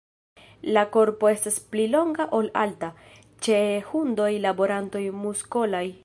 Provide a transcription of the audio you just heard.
La korpo estas pli longa ol alta, ĉe hundoj laborantoj muskolaj.